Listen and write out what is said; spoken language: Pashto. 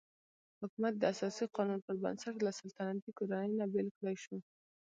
حکومت د اساسي قانون پر بنسټ له سلطنتي کورنۍ نه بېل کړای شو.